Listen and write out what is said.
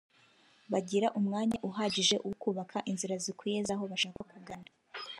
bagira umwanya uhagije wo kubaka inzira zikwiye z’aho bashaka kugana